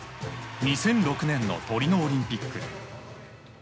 ２００６年のトリノオリンピック。